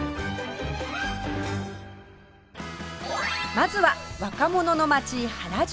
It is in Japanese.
まずは若者の街原宿